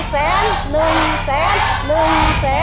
๑แสน